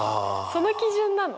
その基準なの？